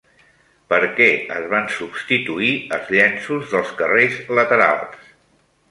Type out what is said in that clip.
Per què es van substituir els llenços dels carrers laterals?